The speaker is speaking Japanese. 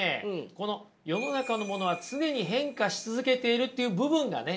この「世の中のものは常に変化し続けている」っていう部分がね